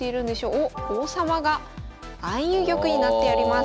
おっ王様が相入玉になっております。